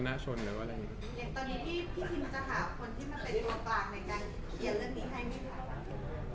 ตอนนี้ที่พี่ทิมจะหาคนที่มาเป็นตัวต่างในการเขียนเรื่องนี้ให้มีค่ะ